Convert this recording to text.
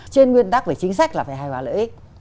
trên nguyên tắc về chính sách là phải hài hòa lợi ích